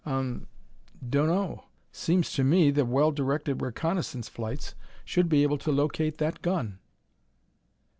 "Um m. Dunno. Seems to me that well directed reconnaissance flights should be able to locate that gun."